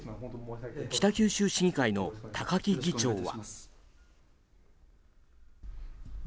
北九州市議会の鷹木議長は。